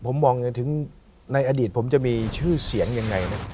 ผมมองอย่างถึงในอดีตผมจะมีชื่อเสียงยังไงนะ